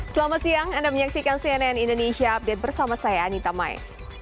selamat siang anda menyaksikan cnn indonesia update bersama saya anita mai